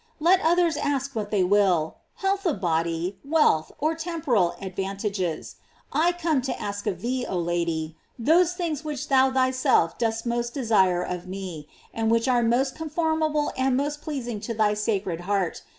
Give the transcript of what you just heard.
Let others ask what they will, health of body, wealth, or temporal advantages; I come to ask of thee, oh Lady, those things which thou thy self dost most desire of me, and which are most comforinable and most pleasing to thy sacred heart.